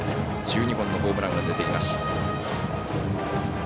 １２本のホームランが出ています。